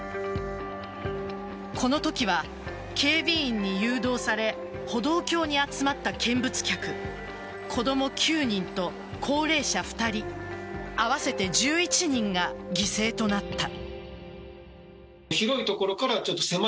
このときは、警備員に誘導され歩道橋に集まった見物客子供９人と高齢者２人合わせて１１人が犠牲となった。